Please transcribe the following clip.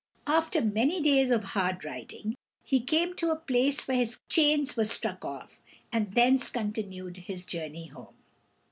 After many days of hard riding, he came to a place where his chains were struck off, and thence continued his journey home.